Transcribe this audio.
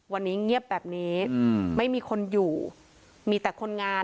วันนี้เงียบแบบนี้ไม่มีคนอยู่มีแต่คนงาน